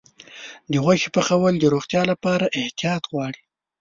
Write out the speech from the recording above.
د غوښې پخول د روغتیا لپاره احتیاط غواړي.